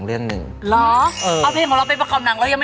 รู้จักไหม